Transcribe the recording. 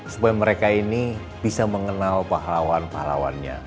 supaya mereka ini bisa mengenal pahlawan pahlawannya